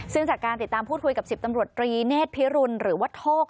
ซึ่งจากการติดตามพูดคุยกับ๑๐ตำรวจตรีเนธพิรุณหรือว่าโทก